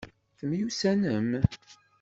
Temyussanem?